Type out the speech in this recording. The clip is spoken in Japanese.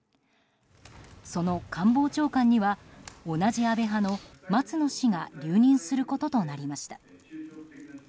その官房長官には同じ安倍派の松野氏が留任することとなりました。